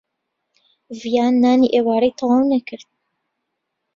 ڤیان نانی ئێوارەی تەواو نەکرد.